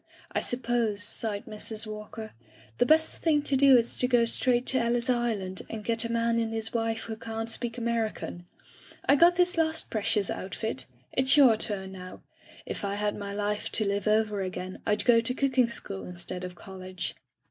"I suppose," sighed Mrs. Walker, "the best thing to do is to go straight to Ellis Island and get a man and his wife who can't speak American. I got this last precious outfit. It's your turn now. If I had my life to live over again Fd go to cooking school instead of college.